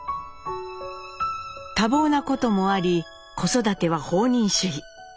多忙なこともあり子育ては放任主義。